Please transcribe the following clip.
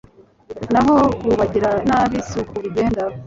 naho ku bagiranabi si uko bigenda